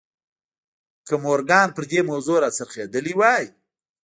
که مورګان پر دې موضوع را څرخېدلی وای.